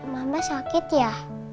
bapak sakit ya